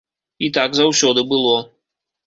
І так заўсёды было.